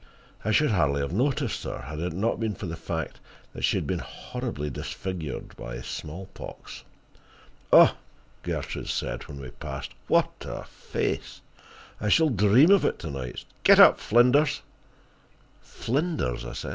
I should hardly have noticed her, had it not been for the fact that she had been horribly disfigured by smallpox. "Ugh!" Gertrude said, when we had passed, "what a face! I shall dream of it to night. Get up, Flinders." "Flinders?" I asked.